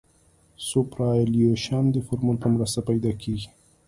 سوپرایلیویشن د فورمول په مرسته پیدا کیږي